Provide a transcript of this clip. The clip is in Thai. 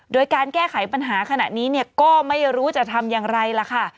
โดยการแก้ไขปัญหาขณะนี้เนี่ยก็ไม่รู้จะทำอย่างไรล่ะค่ะ